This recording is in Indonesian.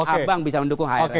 abang bisa mendukung hrs